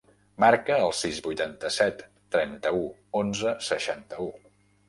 Marca el sis, vuitanta-set, trenta-u, onze, seixanta-u.